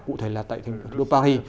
cụ thể là tại thành phố paris